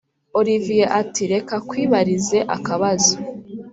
olivier ati”reka kwibarize akabazo